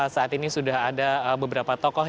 saat ini sudah ada beberapa tokoh